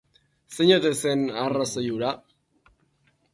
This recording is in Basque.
Zein ote zen arrazoi hura?